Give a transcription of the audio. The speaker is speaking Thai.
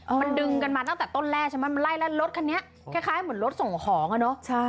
มันดึงกันมาตั้งแต่ต้นแรกใช่ไหมมันไล่แล้วรถคันนี้คล้ายเหมือนรถส่งของอ่ะเนอะ